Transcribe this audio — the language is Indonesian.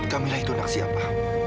kamilah itu anak siapa